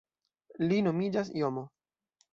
Li nomiĝas JoMo.